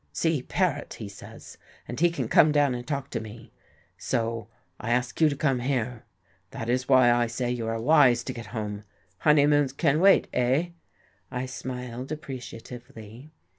See Paret, he says, and he can come down and talk to me. So I ask you to come here. That is why I say you are wise to get home. Honeymoons can wait eh?" I smiled appreciatively.